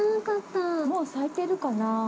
◆もう咲いてるかな。